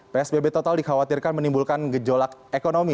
psbb total dikhawatirkan menimbulkan gejolak ekonomi